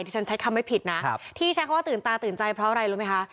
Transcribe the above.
ที่ฉันใช้คำไม่ผิดนะที่ใช้คำว่าตื่นตาตื่นใจเพราะอะไรรู้ไหมคะ